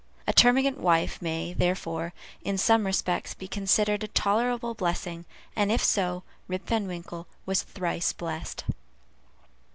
A termagant wife may, therefore, in some respects, be considered a tolerable blessing, and if so, Rip Van Winkle was thrice blessed.